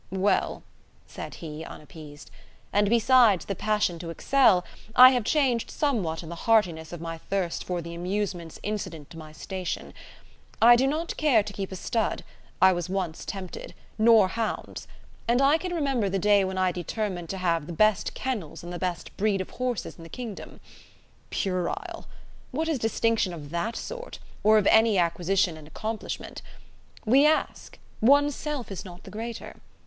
"Well," said he, unappeased, "and besides the passion to excel, I have changed somewhat in the heartiness of my thirst for the amusements incident to my station. I do not care to keep a stud I was once tempted: nor hounds. And I can remember the day when I determined to have the best kennels and the best breed of horses in the kingdom. Puerile! What is distinction of that sort, or of any acquisition and accomplishment? We ask! one's self is not the greater.